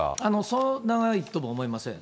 そう長いとも思いません。